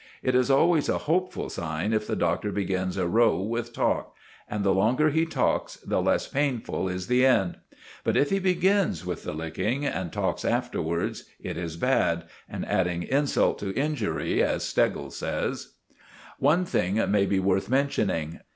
It is always a hopeful sign if the Doctor begins a row with talk; and the longer he talks, the less painful is the end. But if he begins with the licking and talks afterwards, it is bad, and adding insult to injury, as Steggles says. One thing may be worth mentioning.